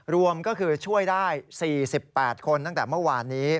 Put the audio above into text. รวมก็คือช่วยได้๔๘คนตั้งแต่เมื่อวานนี้